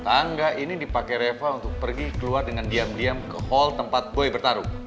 tangga ini dipakai reva untuk pergi keluar dengan diam diam ke hall tempat boy bertarung